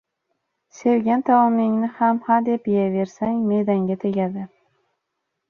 • Sevgan taomingni ham hadeb yeyaversang me’dangga tegadi.